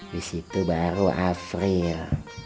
disitu baru afril